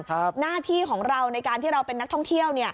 หน้าที่ของเราในการที่เราเป็นนักท่องเที่ยว